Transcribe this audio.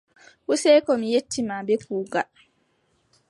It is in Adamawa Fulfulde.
Useko mi yetti ma bee kuugal.